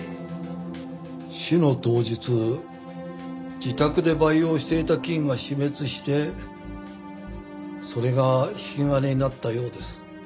死の当日自宅で培養していた菌が死滅してそれが引き金になったようです。